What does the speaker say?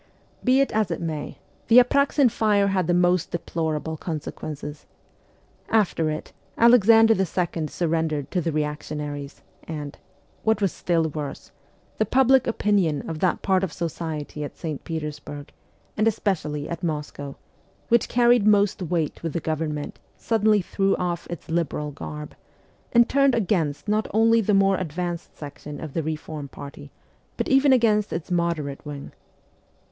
Be it as it may, the Aprdxin fire had the most deplorable consequences. After it Alexander II. sur rendered to the reactionaries, and what was still worse the public opinion of that part of society at St. Petersburg, and especially at Moscow, which carried most weight with the government suddenly threw off its liberal garb, and turned against not only the more advanced section of the reform party, but even against its moderate wing.